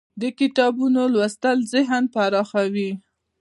د کتابونو لوستل ذهن پراخوي.